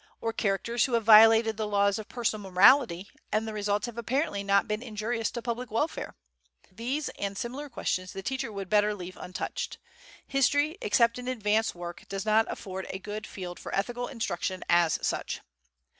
Or characters who have violated the laws of personal morality and the results have apparently not been injurious to public welfare? These and similar questions the teacher would better leave untouched. History, except in advance work, does not afford a good field for ethical instruction as such.